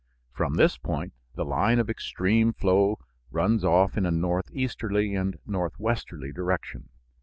From this point the line of extreme flow runs off in a northeasterly and northwesterly direction.